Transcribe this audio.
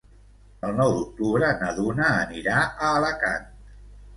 El nou d'octubre na Duna anirà a Alacant.